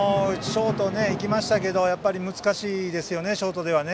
ショートが行きましたけど難しいですよね、ショートでは。